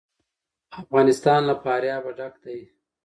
افغانستان له فاریاب ډک دی.